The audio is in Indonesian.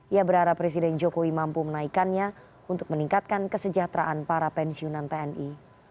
ia berharap presiden jokowi mampu menaikkannya untuk meningkatkan kesejahteraan para pensiunan tni